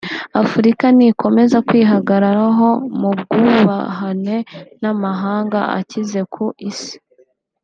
Afurika nikomeza kwihagararaho mu bwubahane n’amahanga akize ku isi